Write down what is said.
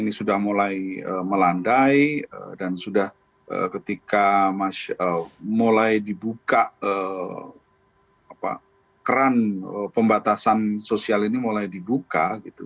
ini sudah mulai melandai dan sudah ketika mulai dibuka keran pembatasan sosial ini mulai dibuka